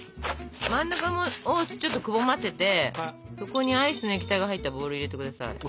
真ん中をちょっとくぼませてそこにアイスの液体が入ったボウルを入れて下さい。